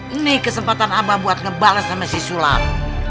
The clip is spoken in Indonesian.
ini kesempatan abah buat ngebales sama si sulam